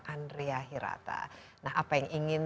andrea hirata nah apa yang ingin